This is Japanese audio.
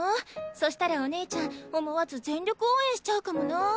そしたらお姉ちゃん思わず全力応援しちゃうかもなぁ。